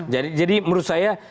jadi menurut saya